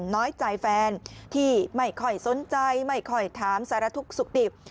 น้อยใจแฟนที่ไม่ค่อยสนใจไม่ค่อยถามสารทุกข์สุขดิบ